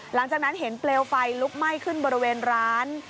หลังจากนั้นเห็นเปลวไฟลุกไหม้ขึ้นบริเวณร้าน